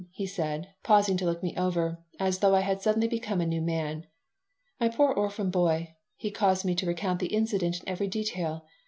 he said, pausing to look me over, as though I had suddenly become a new man. "My poor orphan boy!" He caused me to recount the incident in every detail.